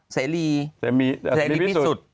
เซรีพิสุทธิ์